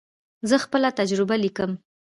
زه خپله تجربه لیکم.